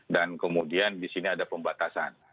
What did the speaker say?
dan kemudian di sini ada pembatasan